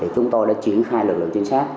chúng tôi đã chuyển hai lực lượng trinh sát